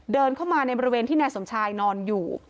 เดินเข้ามาในบริเวณที่นายสมชายนอนอยู่